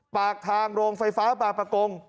ปากทางโรงไฟฟ้าบางประกง